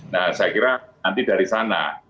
nah saya kira nanti dari sana